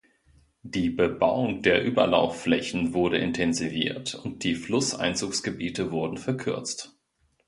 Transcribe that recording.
Die Bebauung der Überlaufflächen wurde intensiviert, und die Flusseinzugsgebiete wurden verkürzt.